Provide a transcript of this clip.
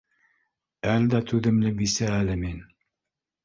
Әлдә түҙемле бисә әле мин